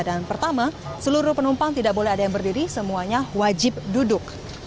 dan pertama seluruh penumpang tidak boleh ada yang berdiri semuanya wajib duduk